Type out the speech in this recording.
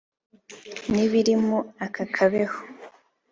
n’ibiri mu aka kebo